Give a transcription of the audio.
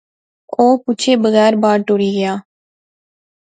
او پچھے بغیر بار ٹُری غیا